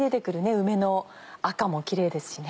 梅の赤もキレイですしね。